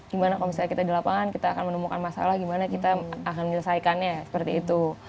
gimana kalau misalnya kita di lapangan kita akan menemukan masalah gimana kita akan menyelesaikannya seperti itu